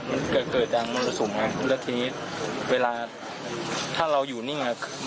มันเกิดจังมันจะสุ่มมากแล้วทีนี้เวลาถ้าเราอยู่นี่นะครับ